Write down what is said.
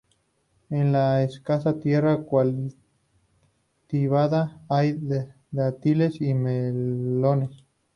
En la escasa tierra cultivada hay dátiles y melones.